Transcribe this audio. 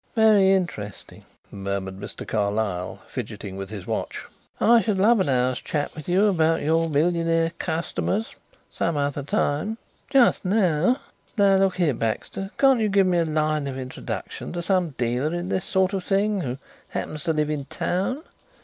"Very interesting," murmured Mr. Carlyle, fidgeting with his watch. "I should love an hour's chat with you about your millionaire customers some other time. Just now look here, Baxter, can't you give me a line of introduction to some dealer in this sort of thing who happens to live in town?